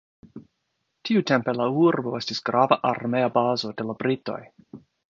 Tiutempe La urbo estis grava armea bazo de la britoj.